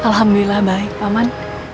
alhamdulillah baik paman